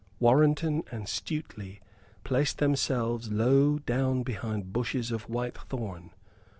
Warrenton and Stuteley placed themselves low down behind bushes of white thorn.